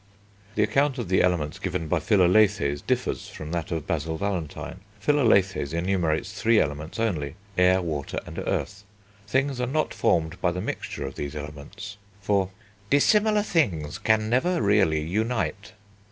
The account of the Elements given by Philalethes differs from that of Basil Valentine. Philalethes enumerates three Elements only: Air, Water, and Earth. Things are not formed by the mixture of these Elements, for "dissimilar things can never really unite."